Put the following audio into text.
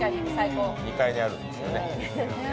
２階にあるんですよね。